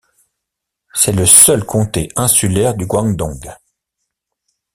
C'est le seul comté insulaire du Guangdong.